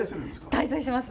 滞在します。